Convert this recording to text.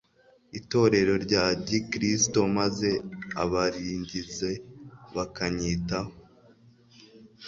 itorero rya gikristo maze abarigize bakanyitaho.